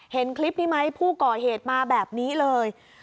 เห็นคลิปนี้ไหมผู้ก่อเหตุมาแบบนี้เลย